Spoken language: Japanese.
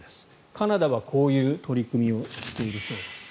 カナダはこういう取り組みをしているそうです。